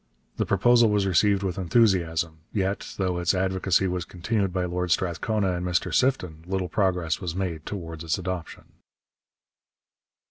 The proposal was received with enthusiasm; yet, though its advocacy was continued by Lord Strathcona and Mr Sifton, little progress was made towards its adoption.